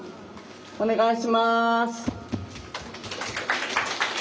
お願いします。